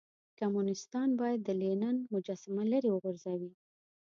کمونيستان بايد د لينن مجسمه ليرې وغورځوئ.